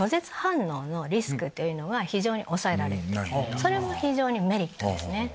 それも非常にメリットです。